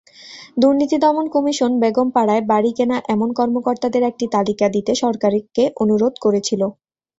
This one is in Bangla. দুর্নীতি দমন কমিশন বেগম পাড়ায় বাড়ি কেনা এমন কর্মকর্তাদের একটি তালিকা দিতে সরকারকে অনুরোধ করেছিল।